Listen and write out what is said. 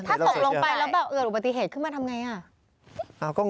ถ้ายังไม่ใจเอิดอุปติเหตุแล้วเกิดมาทำอะไร